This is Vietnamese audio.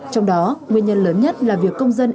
trong đó nguyên nhân lớn nhất là việc công dân